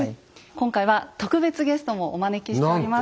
今回は特別ゲストもお招きしております。